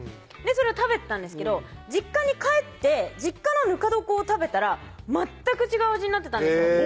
それを食べてたんですけど実家に帰って実家のぬか床を食べたら全く違う味になってたんですよ